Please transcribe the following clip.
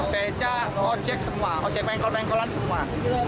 beca ojek semua ojek penggol penggolan semua